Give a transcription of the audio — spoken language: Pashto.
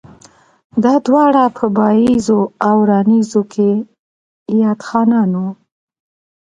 دا دواړه پۀ بائيزو او راڼېزو کښې ياد خانان وو